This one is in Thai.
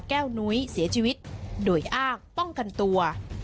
นุ้ยเสียชีวิตโดยอ้างป้องกันตัว